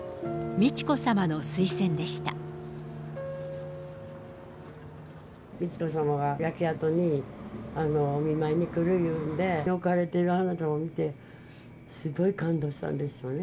美智子さまが焼け跡にお見舞いに来るいうんで、置かれている花束を見て、すごい感動したんですよね。